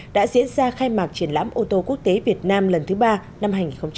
đã diễn ra khai mạc triển lãm ô tô quốc tế việt nam lần thứ ba năm hai nghìn hai mươi